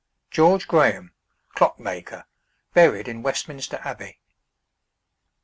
GEORGE GRAHAM, CLOCK MAKER, BURIED IN WESTMINSTER ABBEY.